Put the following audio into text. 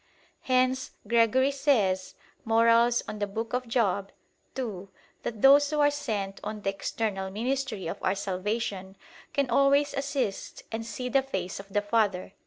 Hence Gregory says (Moral. ii) that "those who are sent on the external ministry of our salvation can always assist and see the face of the Father."